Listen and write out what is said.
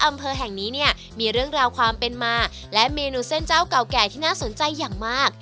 อำเภอแห่งนี้เนี่ยมีเรื่องราวความเป็นมาและเมนูเส้นเจ้าเก่าแก่ที่น่าสนใจอย่างมาก